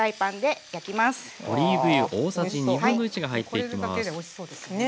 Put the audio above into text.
これだけでおいしそうですね。